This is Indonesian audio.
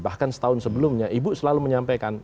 bahkan setahun sebelumnya ibu selalu menyampaikan